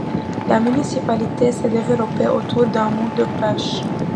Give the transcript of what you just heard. La municipalité s'est développée autour d'un monde de pêche.